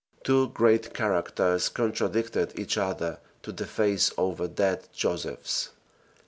Two great characters contradicted each other to the face over dead Josephs.